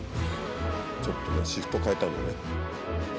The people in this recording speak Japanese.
ちょっとねシフトを変えたのね。